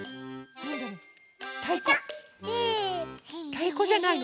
たいこじゃないの？